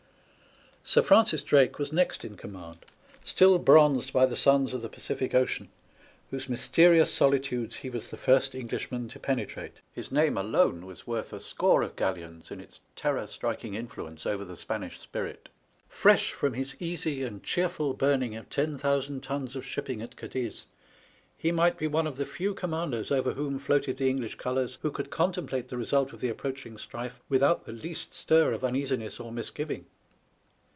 Sir Francis Drake was next in command, still bronzed by the suns of the Pacific Ocean, whose mysterious solitudes he was the first Englishman to penetrate. His name alone was worth a score of galleons in its terror striking influence over the Spanish spirit. Fresh from his easy and cheerful burning of 10,000 tons of shipping at Cadiz, he might be one of the few commanders over whom floated the English colours who could contemplate the result of the approaching strife without the least stir of uneasiness or misgiving.